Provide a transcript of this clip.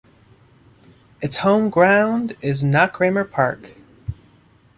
Its home ground is Knockramer Park.